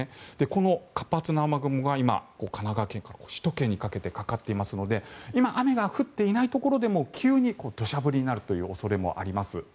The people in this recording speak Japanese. この活発な雨雲が今は神奈川県から首都圏にかけてかかっていますので今、雨が降っていないところでも急に土砂降りになる恐れもあります。